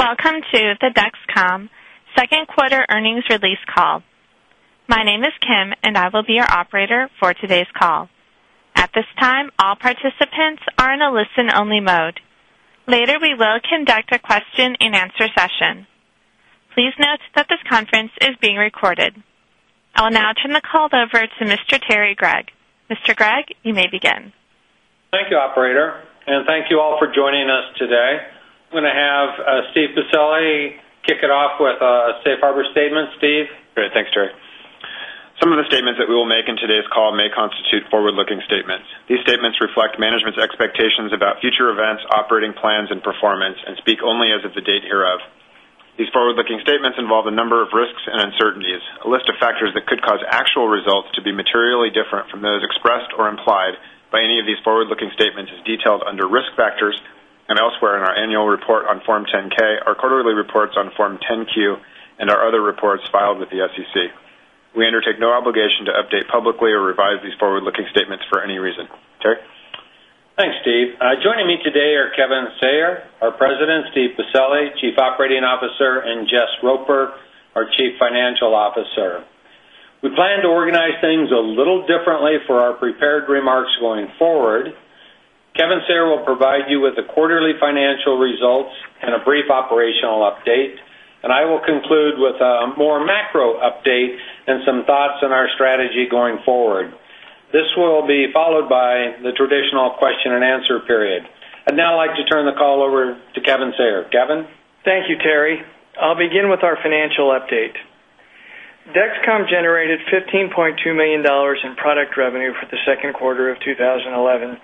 Welcome to the Dexcom second quarter earnings release call. My name is Kim, and I will be your operator for today's call. At this time, all participants are in a listen-only mode. Later, we will conduct a question-and-answer session. Please note that this conference is being recorded. I'll now turn the call over to Mr. Terry Gregg. Mr. Gregg, you may begin. Thank you, operator, and thank you all for joining us today. I'm gonna have Steven Pacelli kick it off with a safe harbor statement. Steve? Great. Thanks, Terry. Some of the statements that we will make in today's call may constitute forward-looking statements. These statements reflect management's expectations about future events, operating plans, and performance and speak only as of the date hereof. These forward-looking statements involve a number of risks and uncertainties. A list of factors that could cause actual results to be materially different from those expressed or implied by any of these forward-looking statements is detailed under Risk Factors and elsewhere in our annual report on Form 10-K, our quarterly reports on Form 10-Q, and our other reports filed with the SEC. We undertake no obligation to update publicly or revise these forward-looking statements for any reason. Terry? Thanks, Steve. Joining me today are Kevin Sayer, our President, Steven Pacelli, Chief Operating Officer, and Jess Roper, our Chief Financial Officer. We plan to organize things a little differently for our prepared remarks going forward. Kevin Sayer will provide you with the quarterly financial results and a brief operational update, and I will conclude with a more macro update and some thoughts on our strategy going forward. This will be followed by the traditional question-and-answer period. I'd now like to turn the call over to Kevin Sayer. Kevin? Thank you, Terry. I'll begin with our financial update. Dexcom generated $15.2 million in product revenue for the second quarter of 2011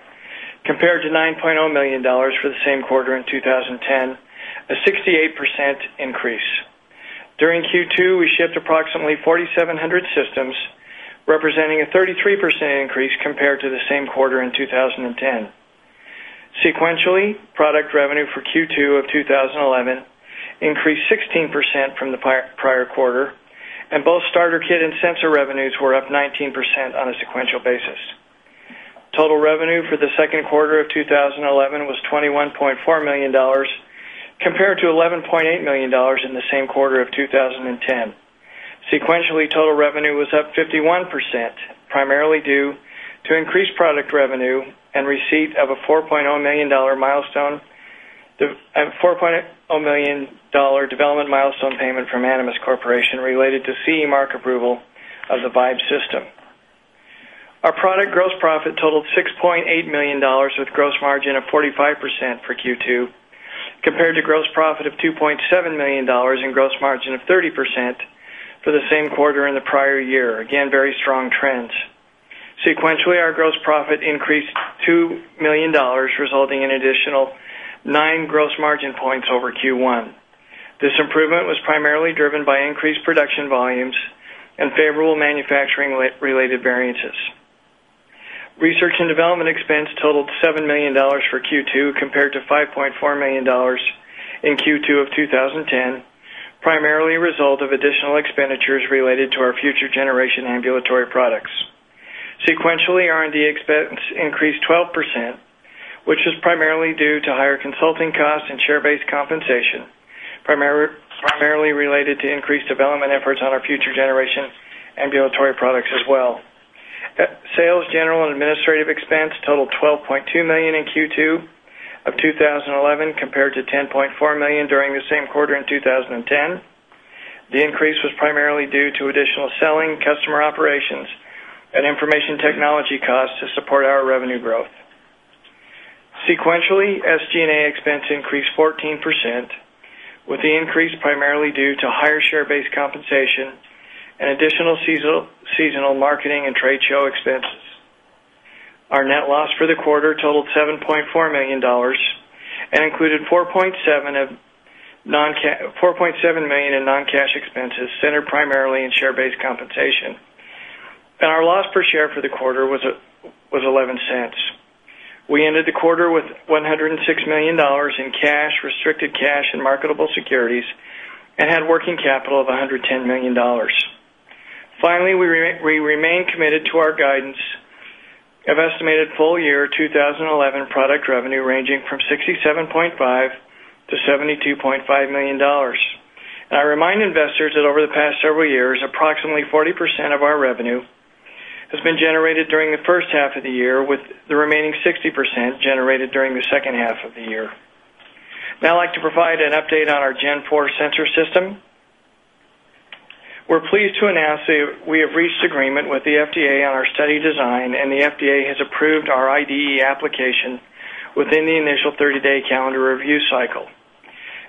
compared to $9.0 million for the same quarter in 2010, a 68% increase. During Q2, we shipped approximately 4,700 systems, representing a 33% increase compared to the same quarter in 2010. Sequentially, product revenue for Q2 of 2011 increased 16% from the prior quarter, and both starter kit and sensor revenues were up 19% on a sequential basis. Total revenue for the second quarter of 2011 was $21.4 million, compared to $11.8 million in the same quarter of 2010. Sequentially, total revenue was up 51%, primarily due to increased product revenue and receipt of a $4.0 million milestone, a $4.0 million development milestone payment from Animas Corporation related to CE Mark approval of the Vibe system. Our product gross profit totaled $6.8 million with gross margin of 45% for Q2 compared to gross profit of $2.7 million and gross margin of 30% for the same quarter in the prior year. Again, very strong trends. Sequentially, our gross profit increased $2 million, resulting in additional 9 gross margin points over Q1. This improvement was primarily driven by increased production volumes and favorable manufacturing related variances. Research and development expense totaled $7 million for Q2 compared to $5.4 million in Q2 of 2010, primarily a result of additional expenditures related to our future generation ambulatory products. Sequentially, R&D expense increased 12%, which is primarily due to higher consulting costs and share-based compensation, primarily related to increased development efforts on our future generation ambulatory products as well. Sales, general, and administrative expense totaled $12.2 million in Q2 of 2011 compared to $10.4 million during the same quarter in 2010. The increase was primarily due to additional selling, customer operations, and information technology costs to support our revenue growth. Sequentially, SG&A expense increased 14%, with the increase primarily due to higher share-based compensation and additional seasonal marketing and trade show expenses. Our net loss for the quarter totaled $7.4 million and included $4.7 million in non-cash expenses centered primarily in share-based compensation. Our loss per share for the quarter was eleven cents. We ended the quarter with $106 million in cash, restricted cash, and marketable securities and had working capital of $110 million. Finally, we remain committed to our guidance of estimated full year 2011 product revenue ranging from $67.5 million-$72.5 million. I remind investors that over the past several years, approximately 40% of our revenue has been generated during the first half of the year, with the remaining 60% generated during the second half of the year. Now I'd like to provide an update on our Gen 4 sensor system. We're pleased to announce that we have reached agreement with the FDA on our study design, and the FDA has approved our IDE application within the initial 30-day calendar review cycle.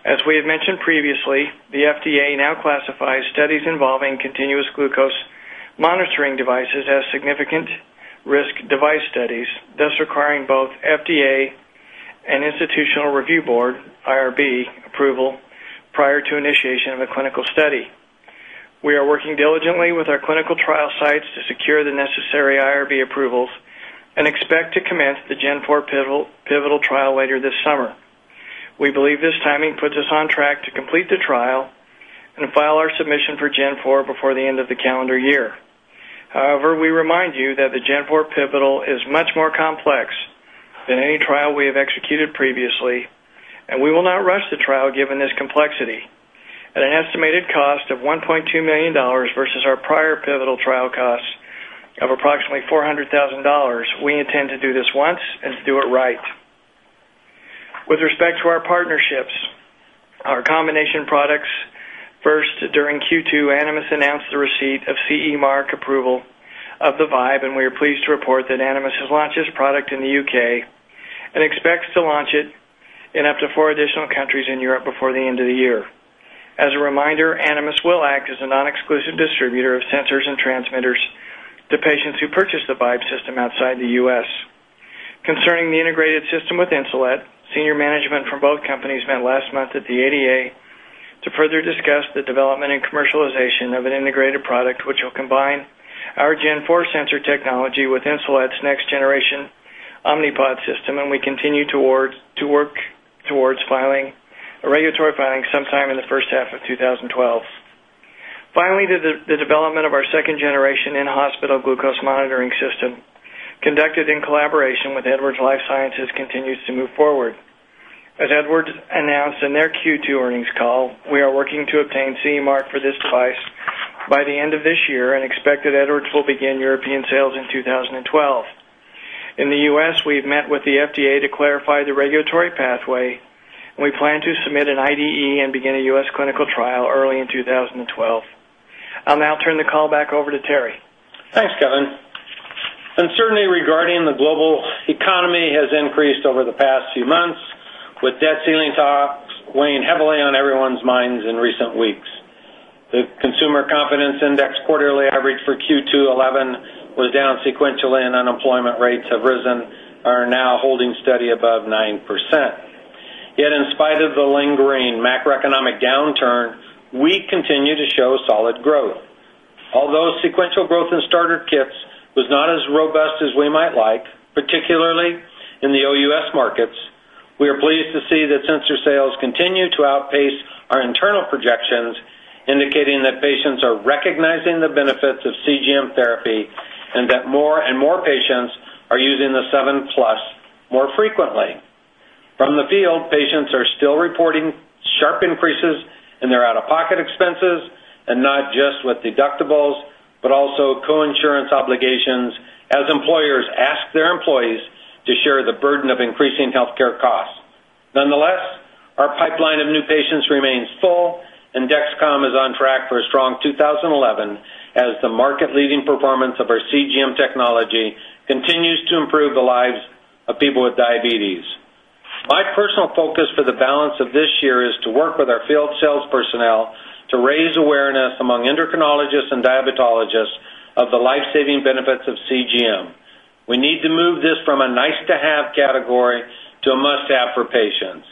As we have mentioned previously, the FDA now classifies studies involving continuous glucose monitoring devices as significant risk device studies, thus requiring both FDA and Institutional Review Board, IRB, approval prior to initiation of a clinical study. We are working diligently with our clinical trial sites to secure the necessary IRB approvals and expect to commence the Gen 4 pivotal trial later this summer. We believe this timing puts us on track to complete the trial and file our submission for Gen 4 before the end of the calendar year. However, we remind you that the Gen 4 pivotal is much more complex than any trial we have executed previously, and we will not rush the trial given this complexity. At an estimated cost of $1.2 million versus our prior pivotal trial costs of approximately $400,000, we intend to do this once and do it right. With respect to our partnerships, our combination products. First, during Q2, Animas announced the receipt of CE Mark approval of the Vibe, and we are pleased to report that Animas has launched this product in the U.K. and expects to launch it in up to four additional countries in Europe before the end of the year. As a reminder, Animas will act as a non-exclusive distributor of sensors and transmitters to patients who purchase the Vibe system outside the U.S. Concerning the integrated system with Insulet, senior management from both companies met last month at the ADA to further discuss the development and commercialization of an integrated product, which will combine our G4 sensor technology with Insulet's next generation Omnipod system, and we continue to work towards filing a regulatory filing sometime in the first half of 2012. Finally, the development of our second generation in-hospital glucose monitoring system, conducted in collaboration with Edwards Lifesciences, continues to move forward. As Edwards announced in their Q2 earnings call, we are working to obtain CE Mark for this device by the end of this year and expect that Edwards will begin European sales in 2012. In the U.S., we've met with the FDA to clarify the regulatory pathway, and we plan to submit an IDE and begin a U.S. clinical trial early in 2012. I'll now turn the call back over to Terry. Thanks, Kevin. Uncertainty regarding the global economy has increased over the past few months, with debt ceiling talks weighing heavily on everyone's minds in recent weeks. The consumer confidence index quarterly average for Q2 2011 was down sequentially, and unemployment rates have risen, are now holding steady above 9%. Yet, in spite of the lingering macroeconomic downturn, we continue to show solid growth. Although sequential growth in starter kits was not as robust as we might like, particularly in the OUS markets, we are pleased to see that sensor sales continue to outpace our internal projections, indicating that patients are recognizing the benefits of CGM therapy and that more and more patients are using the SEVEN PLUS more frequently. From the field, patients are still reporting sharp increases in their out-of-pocket expenses, and not just with deductibles, but also co-insurance obligations as employers ask their employees to share the burden of increasing healthcare costs. Nonetheless, our pipeline of new patients remains full, and Dexcom is on track for a strong 2011 as the market-leading performance of our CGM technology continues to improve the lives of people with diabetes. My personal focus for the balance of this year is to work with our field sales personnel to raise awareness among endocrinologists and diabetologists of the life-saving benefits of CGM. We need to move this from a nice-to-have category to a must-have for patients.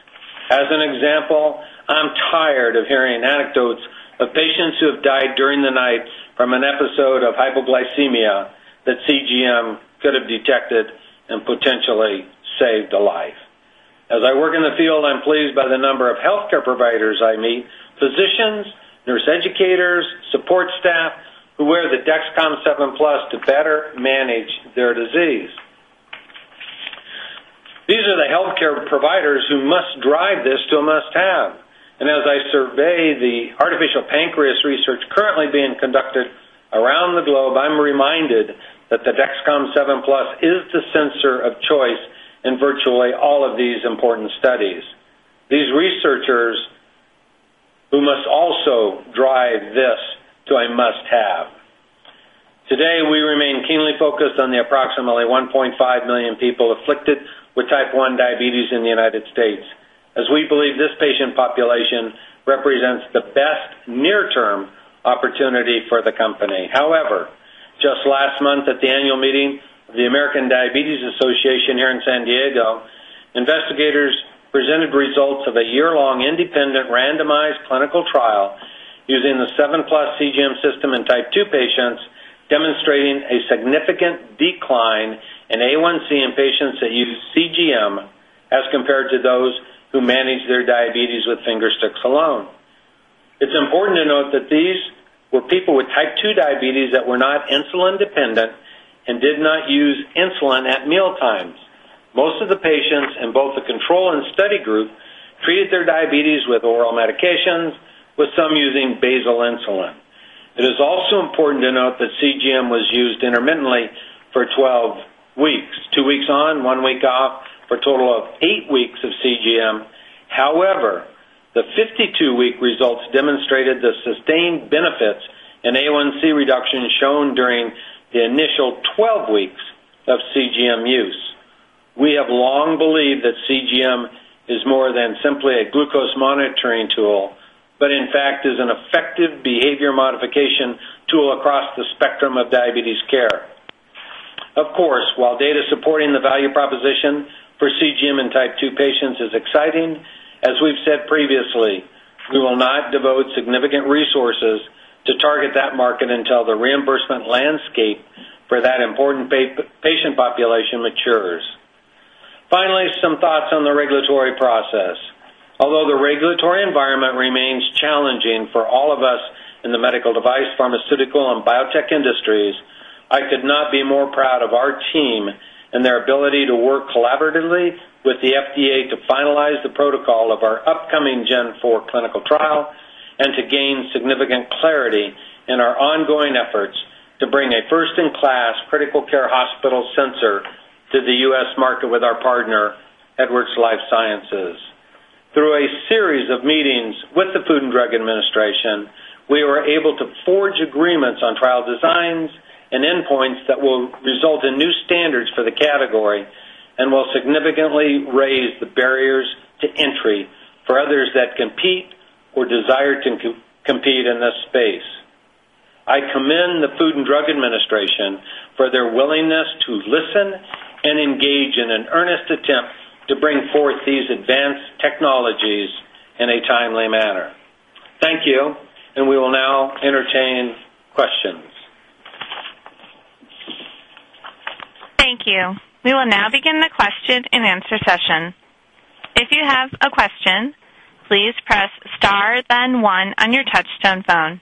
As an example, I'm tired of hearing anecdotes of patients who have died during the night from an episode of hypoglycemia that CGM could have detected and potentially saved a life. As I work in the field, I'm pleased by the number of healthcare providers I meet, physicians, nurse educators, support staff who wear the Dexcom SEVEN PLUS to better manage their disease. These are the healthcare providers who must drive this to a must-have. As I survey the artificial pancreas research currently being conducted around the globe, I'm reminded that the Dexcom SEVEN PLUS is the sensor of choice in virtually all of these important studies. These researchers who must also drive this to a must-have. Today, we remain keenly focused on the approximately 1.5 million people afflicted with Type 1 diabetes in the United States, as we believe this patient population represents the best near-term opportunity for the company. However, just last month at the annual meeting of the American Diabetes Association here in San Diego, investigators presented results of a year-long independent randomized clinical trial using the SEVEN PLUS CGM system in Type 2 patients, demonstrating a significant decline in A1C in patients that use CGM as compared to those who manage their diabetes with finger sticks alone. It's important to note that these were people with Type 2 diabetes that were not insulin dependent and did not use insulin at mealtimes. Most of the patients in both the control and study group treated their diabetes with oral medications, with some using basal insulin. It is also important to note that CGM was used intermittently for 12 weeks, two weeks on, one week off, for a total of 8 weeks of CGM. However, the 52-week results demonstrated the sustained benefits in A1C reduction shown during the initial 12 weeks of CGM use. We have long believed that CGM is more than simply a glucose monitoring tool, but in fact is an effective behavior modification tool across the spectrum of diabetes care. Of course, while data supporting the value proposition for CGM in Type 2 patients is exciting, as we've said previously, we will not devote significant resources to target that market until the reimbursement landscape for that important patient population matures. Challenging for all of us in the medical device, pharmaceutical, and biotech industries. I could not be more proud of our team and their ability to work collaboratively with the FDA to finalize the protocol of our upcoming G4 clinical trial and to gain significant clarity in our ongoing efforts to bring a first-in-class critical care hospital sensor to the U.S. market with our partner, Edwards Lifesciences. Through a series of meetings with the Food and Drug Administration, we were able to forge agreements on trial designs and endpoints that will result in new standards for the category and will significantly raise the barriers to entry for others that compete or desire to compete in this space. I commend the Food and Drug Administration for their willingness to listen and engage in an earnest attempt to bring forth these advanced technologies in a timely manner. Thank you, and we will now entertain questions. Thank you. We will now begin the question-and-answer session. If you have a question, please press star then one on your touchtone phone.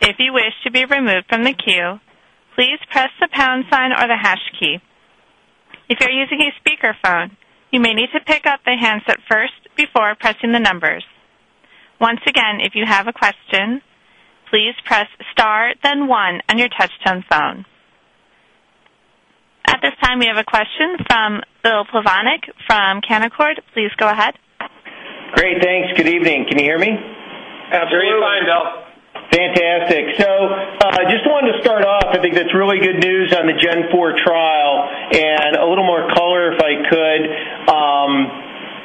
If you wish to be removed from the queue, please press the pound sign or the hash key. If you're using a speakerphone, you may need to pick up the handset first before pressing the numbers. Once again, if you have a question, please press star then one on your touchtone phone. At this time, we have a question from Bill Plovanic from Canaccord. Please go ahead. Great. Thanks. Good evening. Can you hear me? Absolutely. Very fine, Bill. Fantastic. Just wanted to start off, I think that's really good news on the G4 trial and a little more color if I could.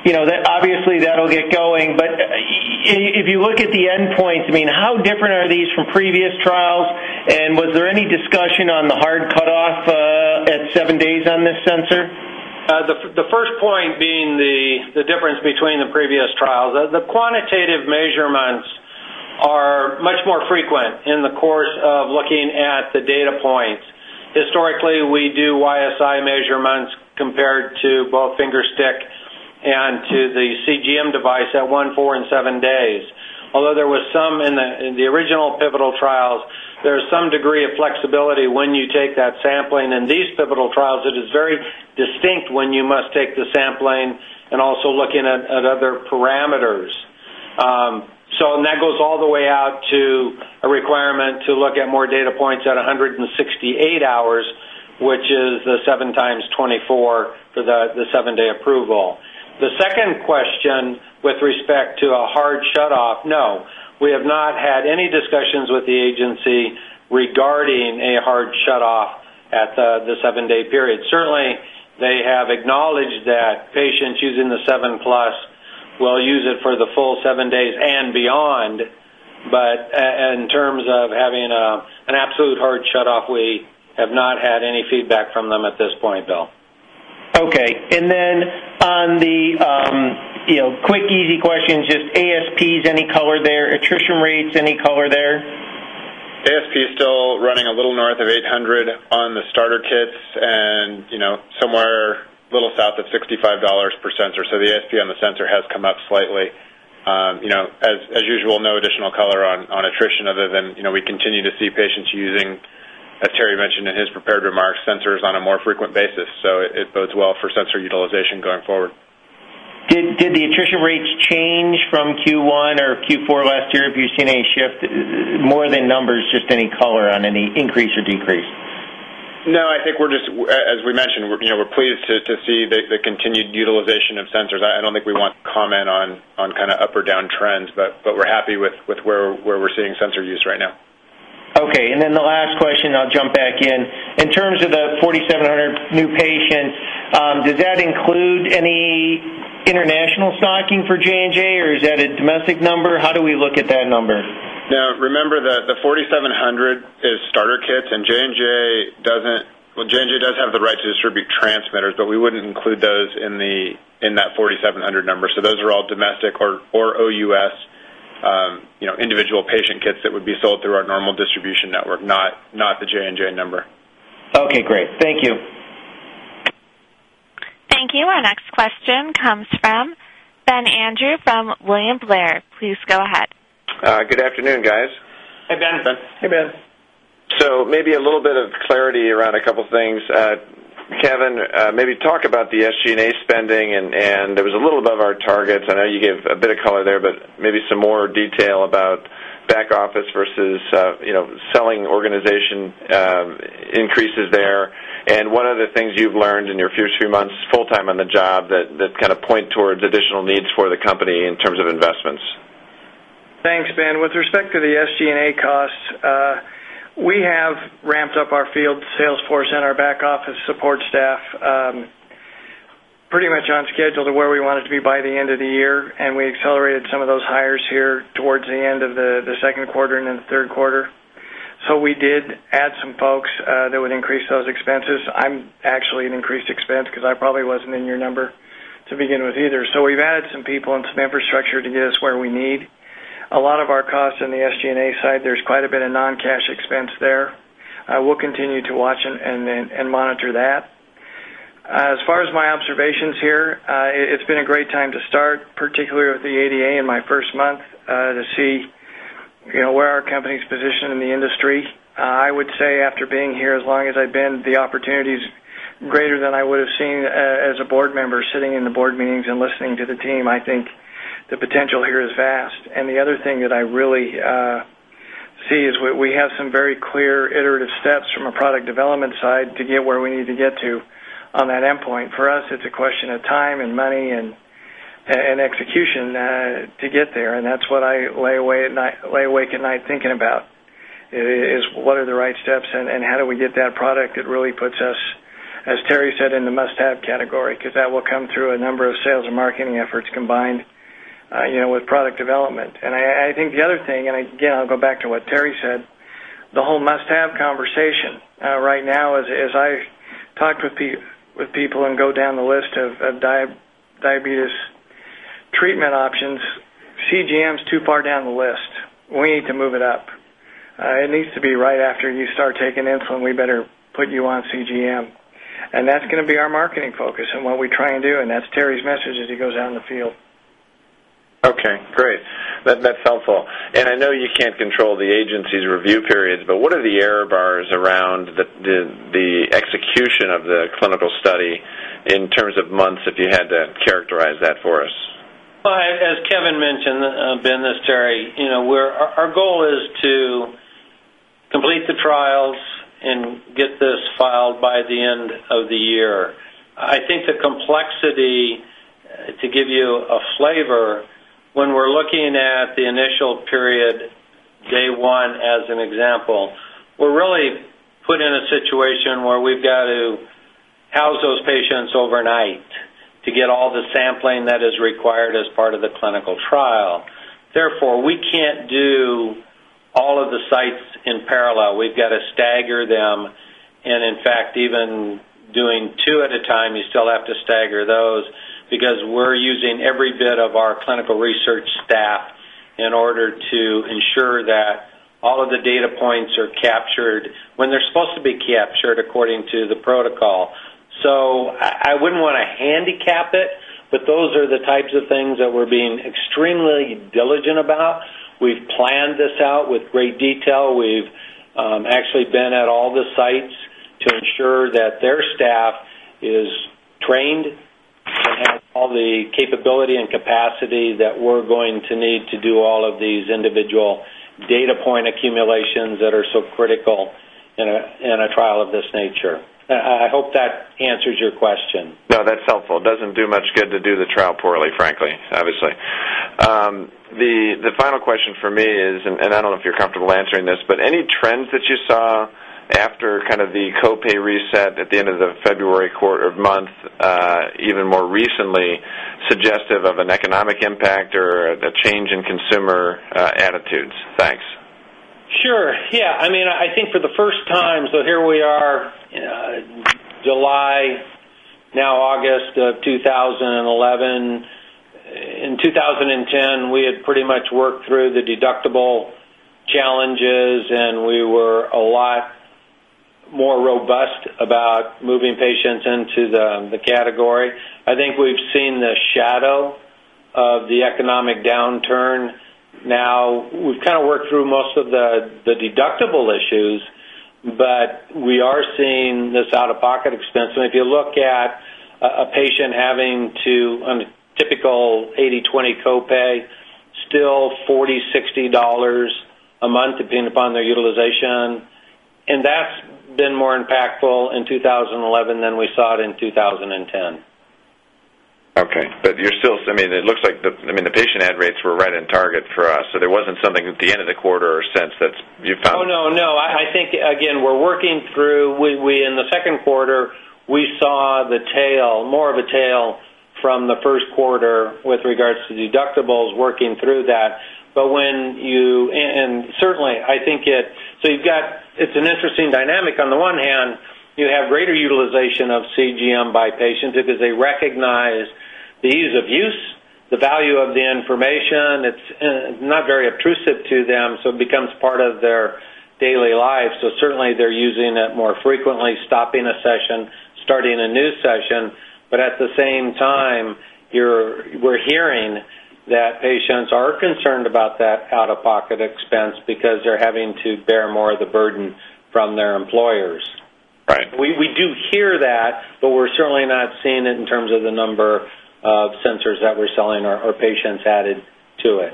You know, obviously, that'll get going. If you look at the endpoints, I mean, how different are these from previous trials? Was there any discussion on the hard cutoff at seven days on this sensor? The first point being the difference between the previous trials. The quantitative measurements are much more frequent in the course of looking at the data points. Historically, we do YSI measurements compared to both finger stick and to the CGM device at one, four, and seven days. Although there was some in the original pivotal trials, there's some degree of flexibility when you take that sampling. In these pivotal trials, it is very distinct when you must take the sampling and also looking at other parameters. That goes all the way out to a requirement to look at more data points at 168 hours, which is the 7 times 24 for the seven-day approval. The second question with respect to a hard shutoff, no. We have not had any discussions with the agency regarding a hard shutoff at the seven-day period. Certainly, they have acknowledged that patients using the SEVEN PLUS will use it for the full seven days and beyond. In terms of having an absolute hard shutoff, we have not had any feedback from them at this point, Bill. Okay. On the, you know, quick, easy question, just ASPs, any color there? Attrition rates, any color there? ASP is still running a little north of 800 on the starter kits and, you know, somewhere a little south of $65 per sensor. The ASP on the sensor has come up slightly. You know, as usual, no additional color on attrition other than, you know, we continue to see patients using, as Terry mentioned in his prepared remarks, sensors on a more frequent basis, so it bodes well for sensor utilization going forward. Did the attrition rates change from Q1 or Q4 last year? Have you seen any shift more than numbers, just any color on any increase or decrease? No, I think we're just as we mentioned, you know, we're pleased to see the continued utilization of sensors. I don't think we want to comment on kind of up or down trends, but we're happy with where we're seeing sensor use right now. Okay. The last question, I'll jump back in. In terms of the 4,700 new patients, does that include any international stocking for J&J, or is that a domestic number? How do we look at that number? Now, remember that the 4,700 is starter kits, and J&J doesn't. Well, J&J does have the right to distribute transmitters, but we wouldn't include those in that 4,700 number. Those are all domestic or OUS, you know, individual patient kits that would be sold through our normal distribution network, not the J&J number. Okay, great. Thank you. Thank you. Our next question comes from Ben Andrew from William Blair. Please go ahead. Good afternoon, guys. Hey, Ben. Hey, Ben. Maybe a little bit of clarity around a couple of things. Kevin, maybe talk about the SG&A spending, and it was a little above our targets. I know you gave a bit of color there, but maybe some more detail about back office versus, you know, selling organization, increases there. What are the things you've learned in your few months full-time on the job that kind of point towards additional needs for the company in terms of investments? Thanks, Ben. With respect to the SG&A costs, we have ramped up our field sales force and our back office support staff, pretty much on schedule to where we wanted to be by the end of the year, and we accelerated some of those hires here towards the end of the second quarter and in the third quarter. We did add some folks that would increase those expenses. I'm actually seeing an increased expense because it probably wasn't in your number to begin with either. We've added some people and some infrastructure to get us where we need. A lot of our costs in the SG&A side, there's quite a bit of non-cash expense there. We'll continue to watch and monitor that. As far as my observations here, it's been a great time to start, particularly with the ADA in my first month, to see, you know, where our company's positioned in the industry. I would say after being here as long as I've been, the opportunity's greater than I would have seen as a board member sitting in the board meetings and listening to the team. I think the potential here is vast. The other thing that I really see is we have some very clear iterative steps from a product development side to get where we need to get to on that endpoint. For us, it's a question of time and money and execution to get there. That's what I lie awake at night thinking about is what are the right steps and how do we get that product that really puts us, as Terry said, in the must-have category? 'Cause that will come through a number of sales and marketing efforts combined, you know, with product development. I think the other thing, and again, I'll go back to what Terry said, the whole must-have conversation, right now as I talk with people and go down the list of diabetes treatment options, CGM is too far down the list. We need to move it up. It needs to be right after you start taking insulin, we better put you on CGM. That's gonna be our marketing focus and what we try and do, and that's Terry's message as he goes out in the field. Okay, great. That's helpful. I know you can't control the agency's review periods, but what are the error bars around the execution of the clinical study in terms of months, if you had to characterize that for us? Well, as Kevin mentioned, Ben, as Terry, you know, our goal is to complete the trials and get this filed by the end of the year. I think the complexity, to give you a flavor, when we're looking at the initial period, day one, as an example, we're really put in a situation where we've got to house those patients overnight to get all the sampling that is required as part of the clinical trial. Therefore, we can't do all of the sites in parallel. We've got to stagger them. In fact, even doing two at a time, you still have to stagger those because we're using every bit of our clinical research staff in order to ensure that all of the data points are captured when they're supposed to be captured according to the protocol. I wouldn't wanna handicap it, but those are the types of things that we're being extremely diligent about. We've planned this out with great detail. We've actually been at all the sites to ensure that their staff is trained and have all the capability and capacity that we're going to need to do all of these individual data point accumulations that are so critical in a trial of this nature. I hope that answers your question. No, that's helpful. It doesn't do much good to do the trial poorly, frankly, obviously. The final question for me is, and I don't know if you're comfortable answering this, but any trends that you saw after kind of the copay reset at the end of the February quarter month, even more recently, suggestive of an economic impact or a change in consumer attitudes? Thanks. Sure. Yeah. I mean, I think for the first time here we are, July, now August of 2011. In 2010, we had pretty much worked through the deductible challenges, and we were a lot more robust about moving patients into the category. I think we've seen the shadow of the economic downturn. Now, we've kind of worked through most of the deductible issues, but we are seeing this out-of-pocket expense. If you look at a patient having to, on a typical 80/20 copay, still $40-$60 a month, depending upon their utilization. That's been more impactful in 2011 than we saw it in 2010. I mean, it looks like the patient add rates were right in target for us. There wasn't something at the end of the quarter or since that you found. Oh, no. I think, again, we're working through. In the second quarter, we saw the tail, more of a tail from the first quarter with regards to deductibles working through that. Certainly, I think it. You've got an interesting dynamic. On the one hand, you have greater utilization of CGM by patients because they recognize the ease of use, the value of the information. It's not very obtrusive to them, so it becomes part of their daily lives. Certainly, they're using it more frequently, stopping a session, starting a new session. At the same time, we're hearing that patients are concerned about that out-of-pocket expense because they're having to bear more of the burden from their employers. Right. We do hear that, but we're certainly not seeing it in terms of the number of sensors that we're selling or patients added to it.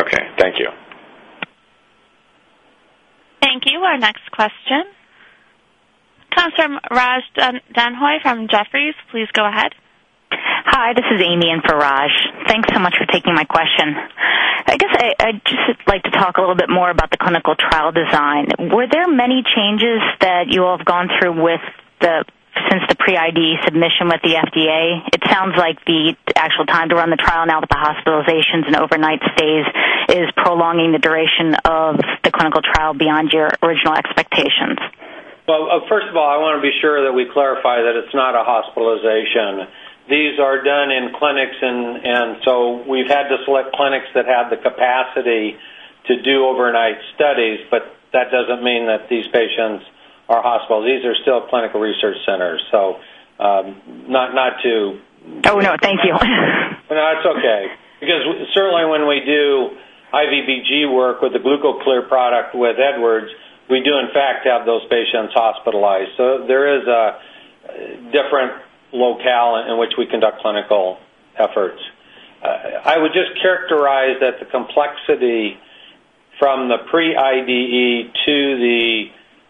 Okay, thank you. Thank you. Our next question comes from Raj Denhoy from Jefferies. Please go ahead. Hi, this is Amy in for Raj. Thanks so much for taking my question. I guess I'd just like to talk a little bit more about the clinical trial design. Were there many changes that you all have gone through since the pre-IDE submission with the FDA? It sounds like the actual time to run the trial now with the hospitalizations and overnight stays is prolonging the duration of the clinical trial beyond your original expectations. Well, first of all, I wanna be sure that we clarify that it's not a hospitalization. These are done in clinics and we've had to select clinics that have the capacity to do overnight studies, but that doesn't mean that these patients are hospitalized. These are still clinical research centers. Oh, no, thank you. No, it's okay. Certainly when we do IVBG work with the GlucoClear product with Edwards, we do in fact have those patients hospitalized. There is a different locale in which we conduct clinical efforts. I would just characterize that the complexity from the pre-IDE to the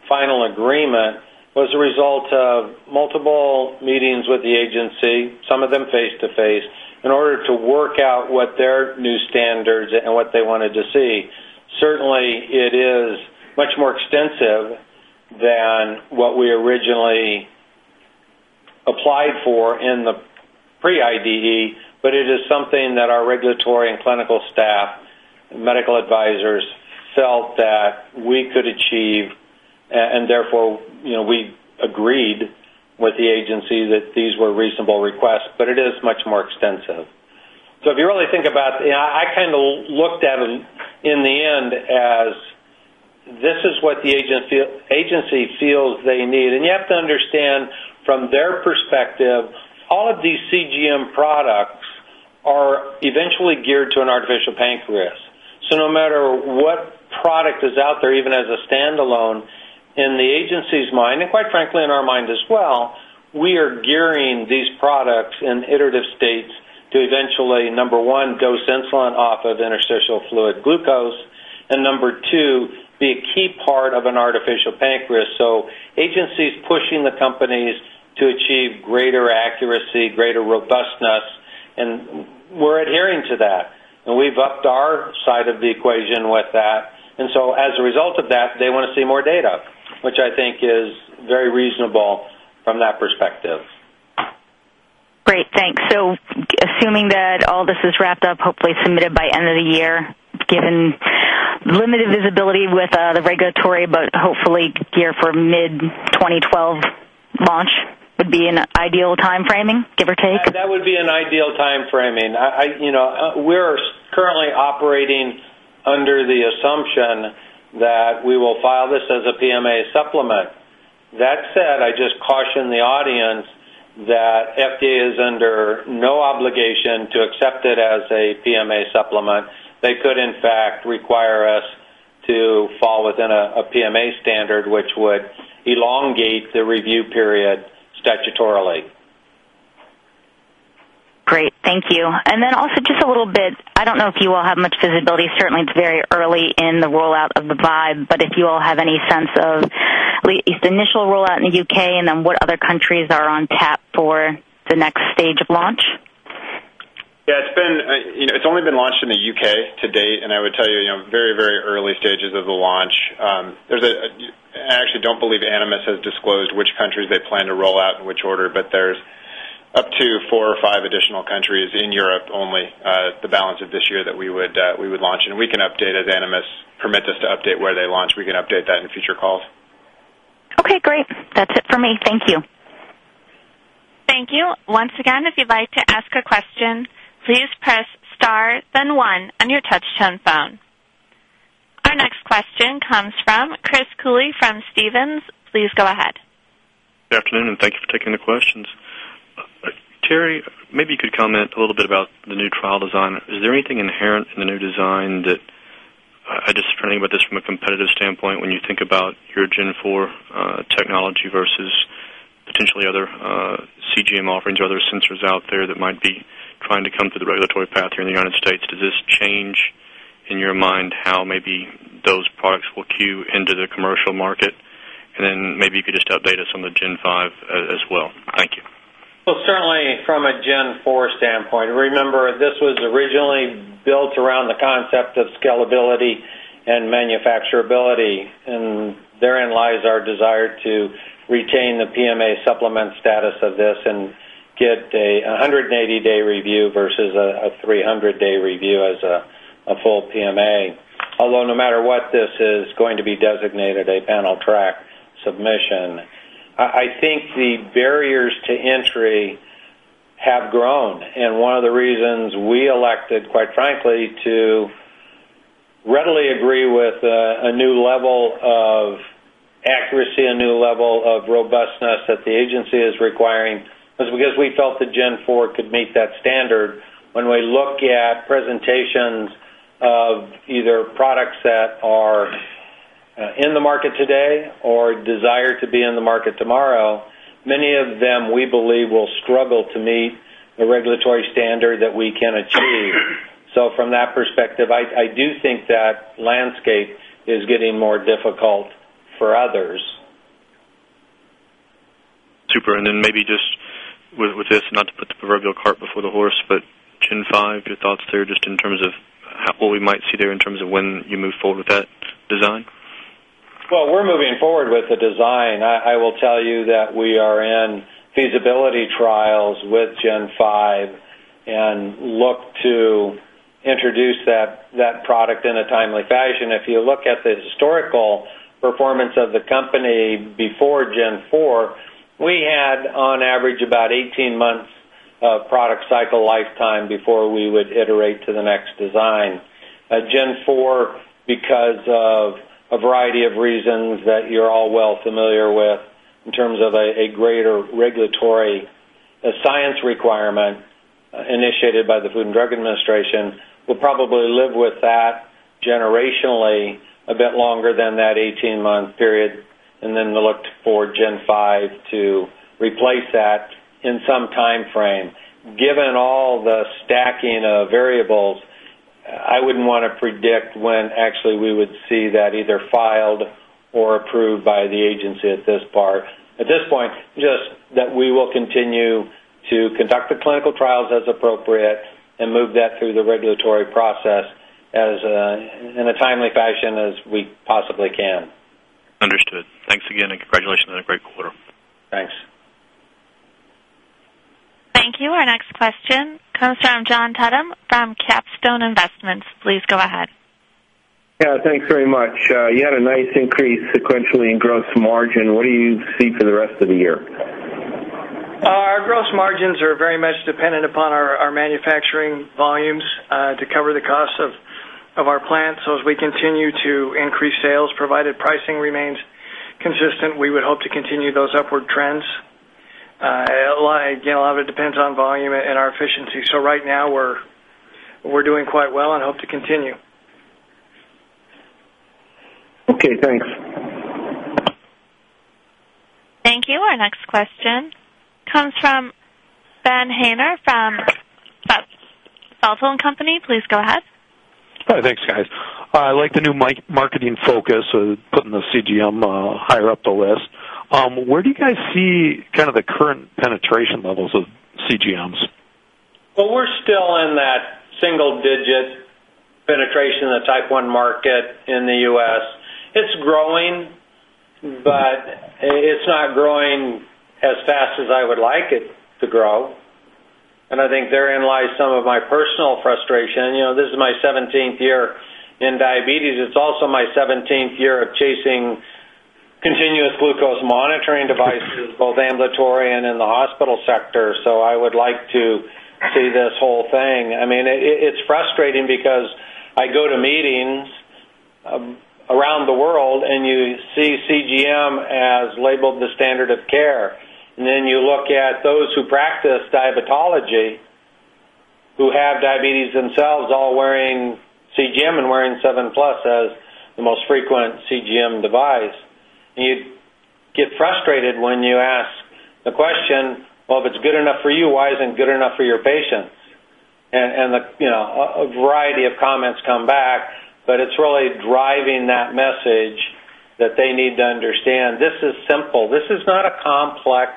final agreement was a result of multiple meetings with the agency, some of them face-to-face, in order to work out what their new standards and what they wanted to see. Certainly, it is much more extensive than what we originally applied for in the pre-IDE, but it is something that our regulatory and clinical staff and medical advisors felt that we could achieve. And therefore, you know, we agreed with the agency that these were reasonable requests, but it is much more extensive. If you really think about. I kind of looked at them in the end as this is what the agency feels they need. You have to understand from their perspective, all of these CGM products are eventually geared to an artificial pancreas. No matter what product is out there, even as a standalone, in the agency's mind, and quite frankly, in our mind as well, we are gearing these products in iterative states to eventually, number one, dose insulin off of interstitial fluid glucose, and number two, be a key part of an artificial pancreas. Agency is pushing the companies to achieve greater accuracy, greater robustness, and we're adhering to that. We've upped our side of the equation with that. As a result of that, they wanna see more data, which I think is very reasonable from that perspective. Great. Thanks. Assuming that all this is wrapped up, hopefully submitted by end of the year, given limited visibility with the regulatory, but hopefully clear for mid-2012 launch would be an ideal timeframe, give or take? That would be an ideal time frame. You know, we're currently operating under the assumption that we will file this as a PMA supplement. That said, I just caution the audience that FDA is under no obligation to accept it as a PMA supplement. They could, in fact, require us to fall within a PMA standard, which would elongate the review period statutorily. Great. Thank you. Also just a little bit, I don't know if you all have much visibility. Certainly it's very early in the rollout of the Vibe, but if you all have any sense of at least initial rollout in the U.K. and then what other countries are on tap for the next stage of launch? Yeah, you know, it's only been launched in the U.K. to date, and I would tell you know, very, very early stages of the launch. I actually don't believe Animas has disclosed which countries they plan to roll out in which order, but there's up to four or five additional countries in Europe only, the balance of this year that we would launch. We can update as Animas permits us to update where they launch. We can update that in future calls. Okay, great. That's it for me. Thank you. Thank you. Once again, if you'd like to ask a question, please press Star then one on your touchtone phone. Our next question comes from Chris Cooley from Stephens. Please go ahead. Good afternoon, and thank you for taking the questions. Terry, maybe you could comment a little bit about the new trial design. Is there anything inherent in the new design that I'm just trying to think about this from a competitive standpoint when you think about your Gen 4 technology versus potentially other CGM offerings or other sensors out there that might be trying to come through the regulatory path here in the United States. Does this change in your mind how maybe those products will queue into the commercial market? Maybe you could just update us on the Gen 5 as well. Thank you. Well, certainly from a Gen 4 standpoint, remember, this was originally built around the concept of scalability and manufacturability, and therein lies our desire to retain the PMA supplement status of this and get a 180-day review versus a 300-day review as a full PMA. Although no matter what, this is going to be designated a panel track submission. I think the barriers to entry have grown, and one of the reasons we elected, quite frankly, to readily agree with a new level of accuracy and new level of robustness that the agency is requiring is because we felt the Gen 4 could meet that standard. When we look at presentations of either products that are in the market today or desire to be in the market tomorrow, many of them, we believe, will struggle to meet the regulatory standard that we can achieve. From that perspective, I do think that landscape is getting more difficult for others. Super. Then maybe just with this, not to put the proverbial cart before the horse, but Gen five, your thoughts there just in terms of what we might see there in terms of when you move forward with that design? We're moving forward with the design. I will tell you that we are in feasibility trials with Gen five and look to introduce that product in a timely fashion. If you look at the historical performance of the company before Gen 4, we had on average about 18 months of product cycle lifetime before we would iterate to the next design. Gen 4, because of a variety of reasons that you're all well familiar with in terms of a greater regulatory science requirement initiated by the Food and Drug Administration, we'll probably live with that generationally a bit longer than that 18-month period, and then we'll look for Gen five to replace that in some timeframe. Given all the stacking of variables, I wouldn't wanna predict when actually we would see that either filed or approved by the agency at this part. At this point, just that we will continue to conduct the clinical trials as appropriate and move that through the regulatory process as in a timely fashion as we possibly can. Understood. Thanks again, and congratulations on a great quarter. Thanks. Thank you. Our next question comes from John Tudum from Capstone Investments. Please go ahead. Yeah, thanks very much. You had a nice increase sequentially in gross margin. What do you see for the rest of the year? Our gross margins are very much dependent upon our manufacturing volumes to cover the costs of our plants. As we continue to increase sales, provided pricing remains consistent, we would hope to continue those upward trends. Again, a lot of it depends on volume and our efficiency. Right now we're doing quite well and hope to continue. Okay, thanks. Thank you. Our next question comes from Ben Haynor from Feltl & Company. Please go ahead. Hi. Thanks, guys. I like the new multi-marketing focus of putting the CGM higher up the list. Where do you guys see kind of the current penetration levels of CGMs? Well, we're still in that single digit penetration in the Type 1 market in the U.S. It's growing, but it's not growing as fast as I would like it to grow. I think therein lies some of my personal frustration. You know, this is my seventeenth year in diabetes. It's also my seventeenth year of chasing continuous glucose monitoring devices, both ambulatory and in the hospital sector. I would like to see this whole thing. I mean, it's frustrating because I go to meetings around the world, and you see CGM as labeled the standard of care. Then you look at those who practice diabetology, who have diabetes themselves, all wearing CGM and SEVEN PLUS as the most frequent CGM device. You get frustrated when you ask the question, "Well, if it's good enough for you, why isn't it good enough for your patients?" The, you know, a variety of comments come back, but it's really driving that message that they need to understand this is simple. This is not a complex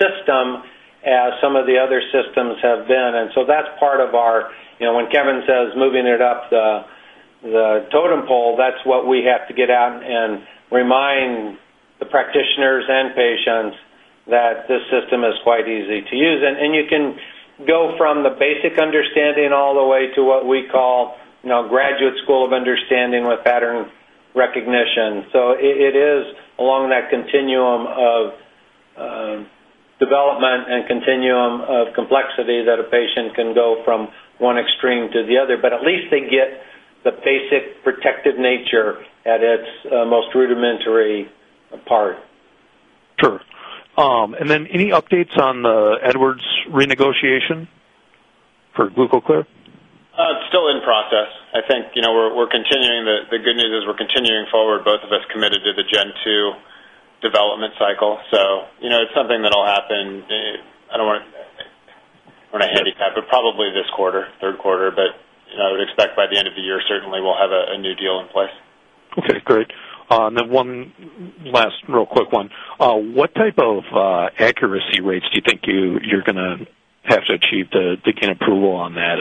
system as some of the other systems have been. That's part of our, you know, when Kevin says moving it up the totem pole, that's what we have to get out and remind the practitioners and patients that this system is quite easy to use. You can go from the basic understanding all the way to what we call, you know, graduate school of understanding with pattern recognition. It is along that continuum of development and continuum of complexity that a patient can go from one extreme to the other, but at least they get the basic protective nature at its most rudimentary part. Sure. Any updates on the Edwards renegotiation for GlucoClear? It's still in process. I think, you know, the good news is we're continuing forward. Both of us committed to the second generation development cycle. You know, it's something that'll happen. I don't wanna handicap, but probably this quarter, third quarter. You know, I would expect by the end of the year, certainly we'll have a new deal in place. Okay, great. One last real quick one. What type of accuracy rates do you think you're gonna have to achieve to get an approval on that?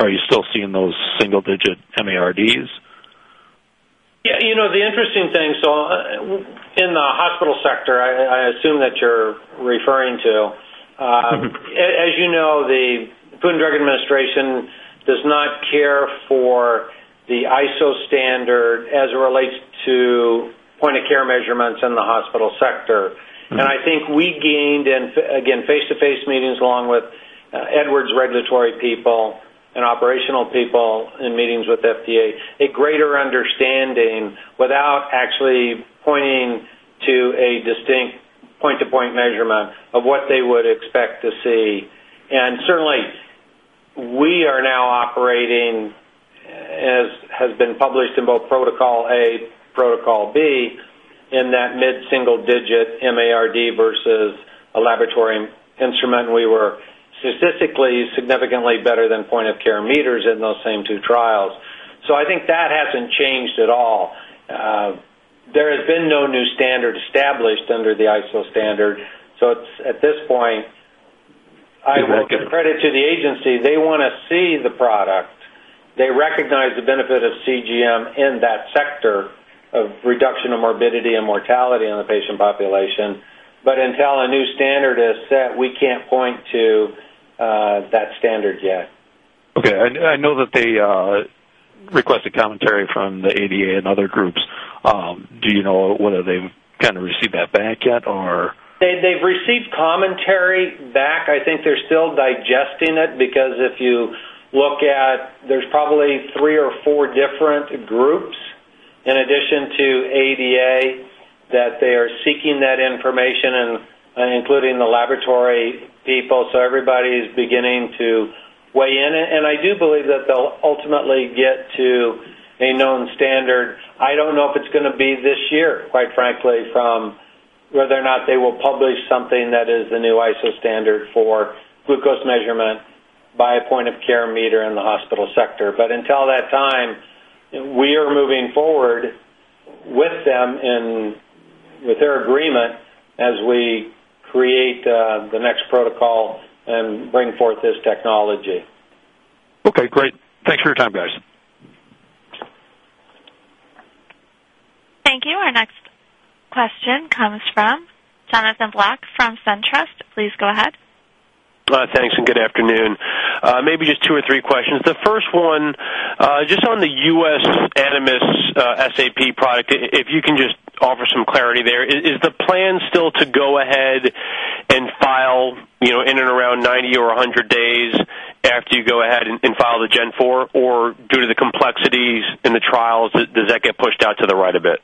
Are you still seeing those single digit MARDs? Yeah, you know, the interesting thing. In the hospital sector, I assume that you're referring to. As you know, the Food and Drug Administration does not care for the ISO standard as it relates to point-of-care measurements in the hospital sector. I think we gained, and again, face-to-face meetings along with Edwards regulatory people and operational people in meetings with FDA, a greater understanding without actually pointing to a distinct point-to-point measurement of what they would expect to see. Certainly, we are now operating, as has been published in both protocol A, protocol B, in that mid-single digit MARD versus a laboratory instrument. We were statistically significantly better than point-of-care meters in those same two trials. I think that hasn't changed at all. There has been no new standard established under the ISO standard. It's at this point I will give credit to the agency. They wanna see the product. They recognize the benefit of CGM in that sector of reduction of morbidity and mortality in the patient population. Until a new standard is set, we can't point to that standard yet. I know that they requested commentary from the ADA and other groups. Do you know whether they've kind of received that back yet or? They've received commentary back. I think they're still digesting it because if you look at, there's probably three or four different groups in addition to ADA that they are seeking that information and including the laboratory people. Everybody is beginning to weigh in. I do believe that they'll ultimately get to a known standard. I don't know if it's gonna be this year, quite frankly, from whether or not they will publish something that is the new ISO standard for glucose measurement by a point of care meter in the hospital sector. Until that time, we are moving forward with them with their agreement as we create the next protocol and bring forth this technology. Okay, great. Thanks for your time, guys. Thank you. Our next question comes from Jonathan Block from SunTrust. Please go ahead. Thanks, and good afternoon. Maybe just two or three questions. The first one, just on the U.S. Animas SAP product, if you can just offer some clarity there. Is the plan still to go ahead and file, you know, in and around 90 or 100 days after you go ahead and file the G4? Or due to the complexities in the trials, does that get pushed out to the right a bit?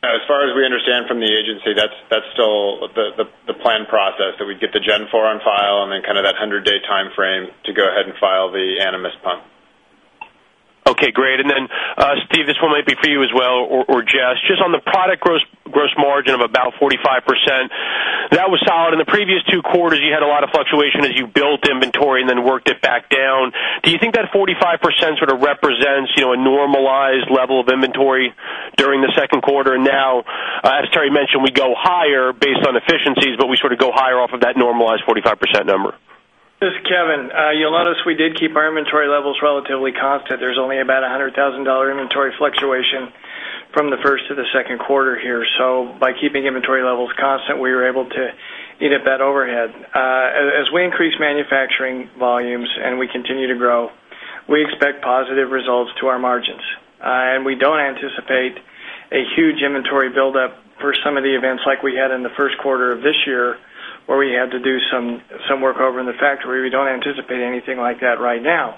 As far as we understand from the agency, that's still the planned process that we get the Gen 4 on file and then kind of that 100-day timeframe to go ahead and file the Animas pump. Okay, great. Steve, this one might be for you as well, or Jess, just on the product gross margin of about 45%, that was solid. In the previous two quarters, you had a lot of fluctuation as you built inventory and then worked it back down. Do you think that 45% sort of represents, you know, a normalized level of inventory during the second quarter? Now, as Terry mentioned, we go higher based on efficiencies, but we sort of go higher off of that normalized 45% number. This is Kevin. You'll notice we did keep our inventory levels relatively constant. There's only about a $100,000 inventory fluctuation from the first to the second quarter here. By keeping inventory levels constant, we were able to eat up that overhead. As we increase manufacturing volumes and we continue to grow, we expect positive results to our margins. We don't anticipate a huge inventory buildup for some of the events like we had in the first quarter of this year, where we had to do some work over in the factory. We don't anticipate anything like that right now.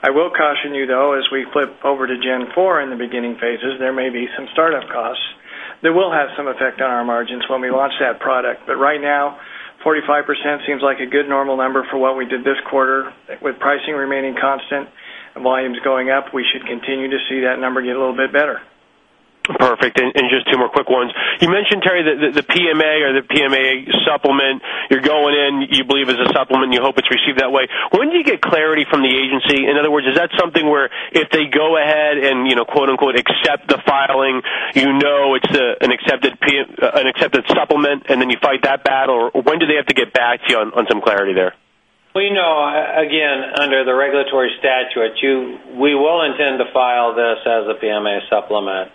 I will caution you, though, as we flip over to G4 in the beginning phases, there may be some startup costs that will have some effect on our margins when we launch that product. Right now, 45% seems like a good normal number for what we did this quarter. With pricing remaining constant and volumes going up, we should continue to see that number get a little bit better. Perfect. Just two more quick ones. You mentioned, Terry, the PMA or the PMA supplement you're going in, you believe is a supplement. You hope it's received that way. When do you get clarity from the agency? In other words, is that something where if they go ahead and, you know, quote-unquote, "accept the filing," you know it's an accepted supplement, and then you fight that battle. When do they have to get back to you on some clarity there? We know, again, under the regulatory statute, we will intend to file this as a PMA supplement.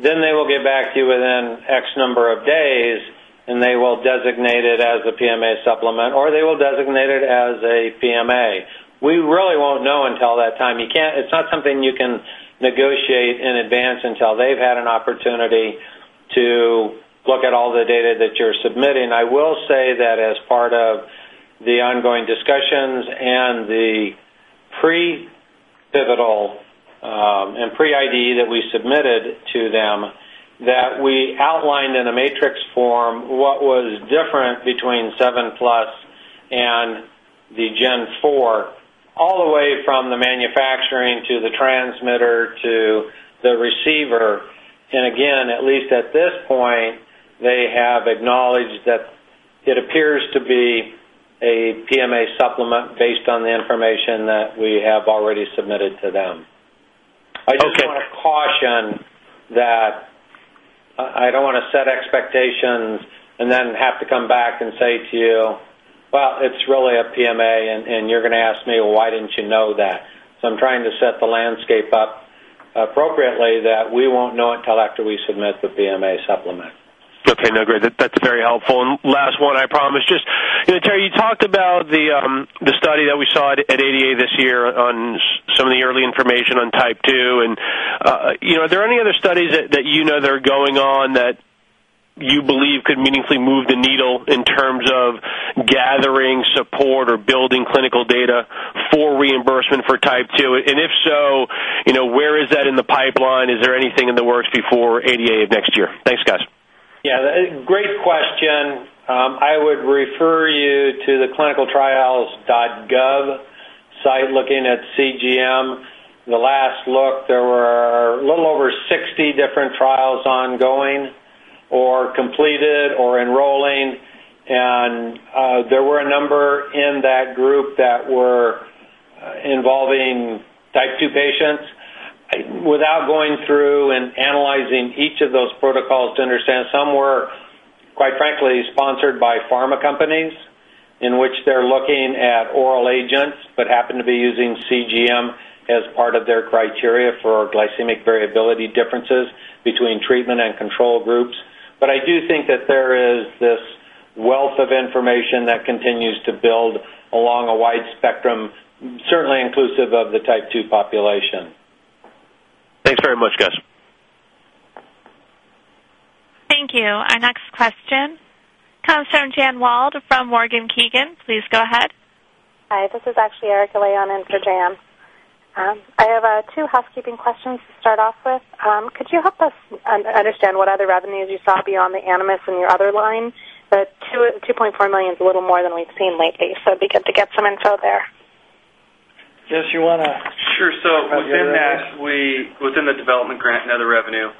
They will get back to you within X number of days, and they will designate it as a PMA supplement, or they will designate it as a PMA. We really won't know until that time. It's not something you can negotiate in advance until they've had an opportunity to look at all the data that you're submitting. I will say that as part of the ongoing discussions and the pre-pivotal, and pre-IDE that we submitted to them, that we outlined in a matrix form what was different between SEVEN PLUS and the G4, all the way from the manufacturing to the transmitter to the receiver. Again, at least at this point, they have acknowledged that it appears to be a PMA supplement based on the information that we have already submitted to them. Okay. I just want to caution that I don't want to set expectations and then have to come back and say to you, "Well, it's really a PMA." You're going to ask me, "Why didn't you know that?" I'm trying to set the landscape up appropriately that we won't know until after we submit the PMA supplement. Okay. No, great. That's very helpful. Last one, I promise. Just, you know, Terry, you talked about the study that we saw at ADA this year on some of the early information on Type 2. You know, are there any other studies that you know that are going on that you believe could meaningfully move the needle in terms of gathering support or building clinical data for reimbursement for Type 2? If so, you know, where is that in the pipeline? Is there anything in the works before ADA next year? Thanks, guys. Yeah, great question. I would refer you to the ClinicalTrials.gov site looking at CGM. The last look, there were a little over 60 different trials ongoing or completed or enrolling, and there were a number in that group that were involving Type 2 patients. Without going through and analyzing each of those protocols to understand, some were, quite frankly, sponsored by pharma companies in which they're looking at oral agents, but happen to be using CGM as part of their criteria for glycemic variability differences between treatment and control groups. I do think that there is this wealth of information that continues to build along a wide spectrum, certainly inclusive of the Type 2 population. Thanks very much, guys. Thank you. Our next question comes from Jan Wald from Morgan Keegan. Please go ahead. Hi, this is actually Erica Leon in for Jan. I have two housekeeping questions to start off with. Could you help us understand what other revenues you saw beyond the Animas in your other line? The $2.4 million is a little more than we've seen lately, so it'd be good to get some info there. Jess, you wanna- Sure. Within that, within the development grant and other revenue,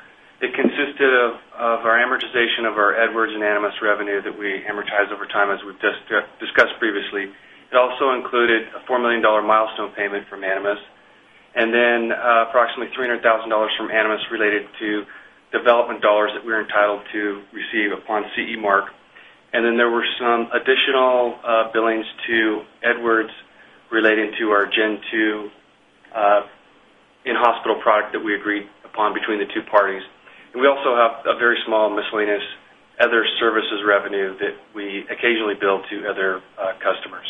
it consisted of our amortization of our Edwards and Animas revenue that we amortize over time, as we've just discussed previously. It also included a $4 million milestone payment from Animas, and then approximately $300,000 from Animas related to development dollars that we're entitled to receive upon CE Mark. Then there were some additional billings to Edwards relating to our Gen 2 in-hospital product that we agreed upon between the two parties. We also have a very small miscellaneous other services revenue that we occasionally bill to other customers.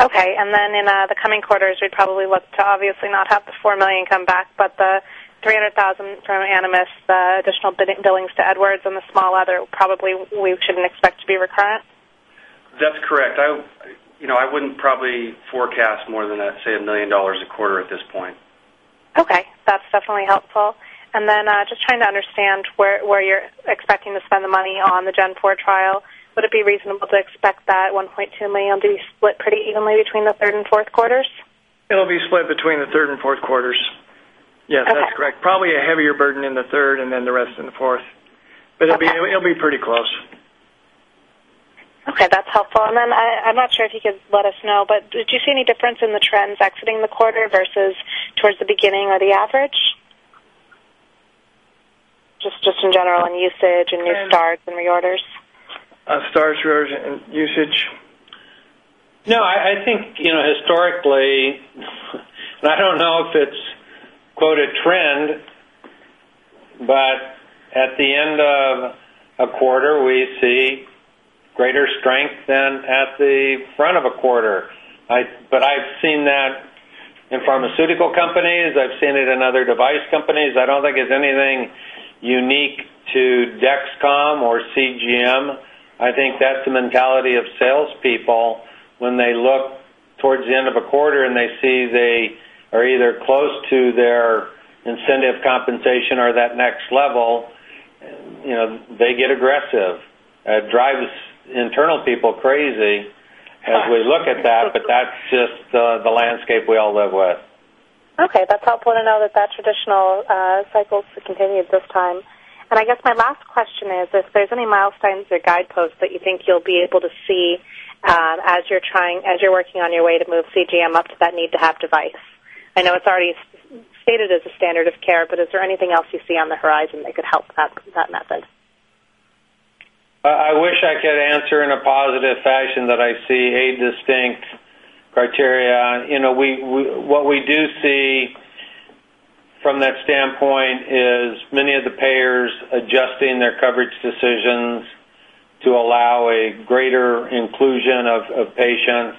Okay. In the coming quarters, we'd probably look to obviously not have the $4 million come back, but the $300,000 from Animas, the additional billing to Edwards and the small other probably we shouldn't expect to be recurrent. That's correct. You know, I wouldn't probably forecast more than, let's say, $1 million a quarter at this point. Okay, that's definitely helpful. Just trying to understand where you're expecting to spend the money on the G4 trial. Would it be reasonable to expect that $1.2 million will be split pretty evenly between the third and fourth quarters? It'll be split between the third and fourth quarters. Okay. Yes, that's correct. Probably a heavier burden in the third and then the rest in the fourth. Okay. It'll be pretty close. Okay, that's helpful. I'm not sure if you could let us know, but did you see any difference in the trends exiting the quarter versus towards the beginning or the average? Just in general on usage and new starts and reorders. Starts, reorders and usage. No, I think, you know, historically, and I don't know if it's, quote, a trend, but at the end of a quarter, we see greater strength than at the front of a quarter. I've seen that in pharmaceutical companies. I've seen it in other device companies. I don't think it's anything unique to Dexcom or CGM. I think that's the mentality of salespeople when they look towards the end of a quarter, and they see they are either close to their incentive compensation or that next level, you know, they get aggressive. It drives internal people crazy as we look at that's just the landscape we all live with. Okay. That's helpful to know that traditional cycle's continued this time. I guess my last question is if there's any milestones or guideposts that you think you'll be able to see, as you're working on your way to move CGM up to that need to have device. I know it's already stated as a standard of care, but is there anything else you see on the horizon that could help that method? I wish I could answer in a positive fashion that I see a distinct criteria. You know, what we do see from that standpoint is many of the payers adjusting their coverage decisions to allow a greater inclusion of patients,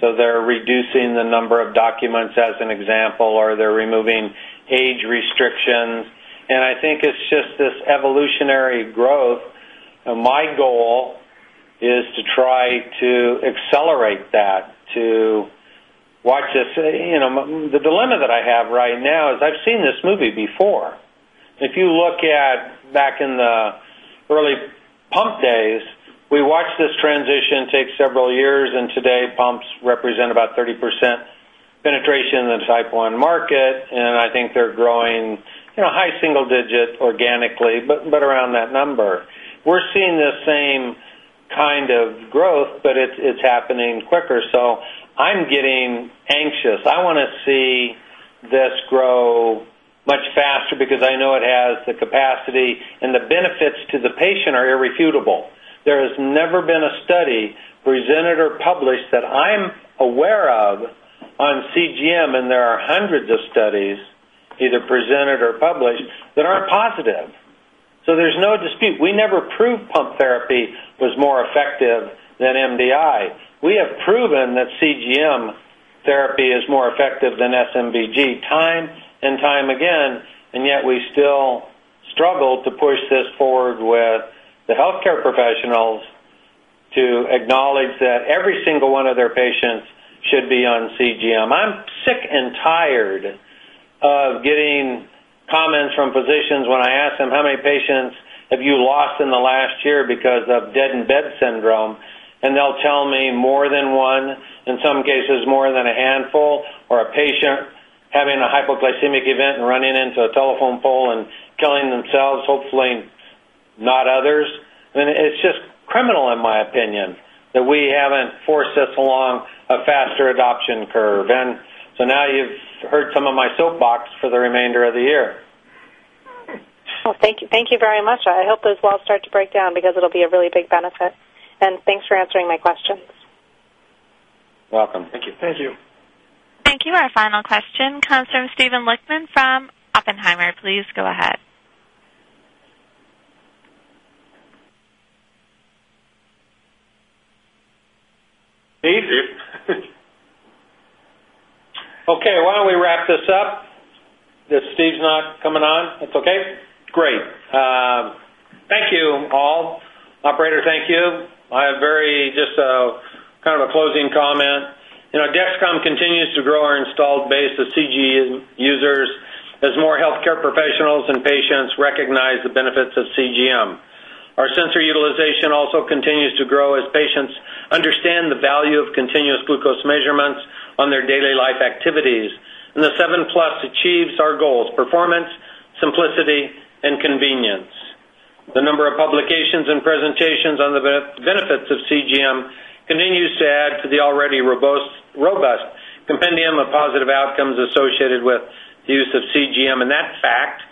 so they're reducing the number of documents as an example, or they're removing age restrictions. I think it's just this evolutionary growth. My goal is to try to accelerate that, to watch this. You know, the dilemma that I have right now is I've seen this movie before. If you look back in the early pump days, we watched this transition take several years, and today pumps represent about 30% penetration in the Type 1 market. I think they're growing, you know, high single digits organically, but around that number. We're seeing the same kind of growth, but it's happening quicker, so I'm getting anxious. I wanna see this grow much faster because I know it has the capacity, and the benefits to the patient are irrefutable. There has never been a study presented or published that I'm aware of on CGM, and there are hundreds of studies either presented or published that aren't positive. So there's no dispute. We never proved pump therapy was more effective than MDI. We have proven that CGM therapy is more effective than SMBG time and time again, and yet we still struggle to push this forward with the healthcare professionals to acknowledge that every single one of their patients should be on CGM. I'm sick and tired of getting comments from physicians when I ask them, "How many patients have you lost in the last year because of dead in bed syndrome?" They'll tell me more than one, in some cases more than a handful, or a patient having a hypoglycemic event and running into a telephone pole and killing themselves, hopefully not others. It's just criminal in my opinion that we haven't forced this along a faster adoption curve. Now you've heard some of my soapbox for the remainder of the year. Well, thank you. Thank you very much. I hope those walls start to break down because it'll be a really big benefit. Thanks for answering my questions. You're welcome. Thank you. Thank you. Thank you. Our final question comes from Steven Lichtman from Oppenheimer. Please go ahead. Steve? Okay, why don't we wrap this up if Steve's not coming on? That's okay? Great. Thank you all. Operator, thank you. I have very just a kind of a closing comment. You know, Dexcom continues to grow our installed base of CGM users as more healthcare professionals and patients recognize the benefits of CGM. Our sensor utilization also continues to grow as patients understand the value of continuous glucose measurements on their daily life activities. The SEVEN PLUS achieves our goals, performance, simplicity, and convenience. The number of publications and presentations on the benefits of CGM continues to add to the already robust compendium of positive outcomes associated with the use of CGM. That fact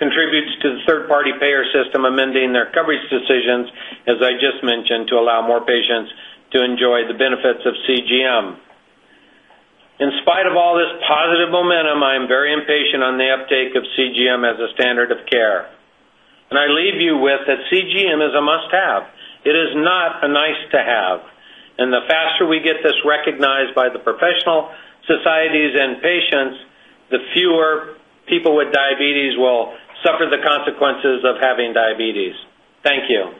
contributes to the third-party payer system amending their coverage decisions, as I just mentioned, to allow more patients to enjoy the benefits of CGM. In spite of all this positive momentum, I am very impatient on the uptake of CGM as a standard of care. I leave you with that CGM is a must-have. It is not a nice to have. The faster we get this recognized by the professional societies and patients, the fewer people with diabetes will suffer the consequences of having diabetes. Thank you.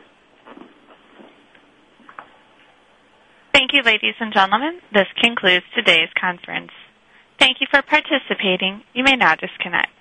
Thank you, ladies and gentlemen. This concludes today's conference. Thank you for participating. You may now disconnect.